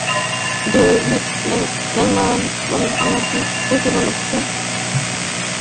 David Langman বললেন, আমার কী হয়েছে বল তো, সব কেমন অচেনা লাগছে।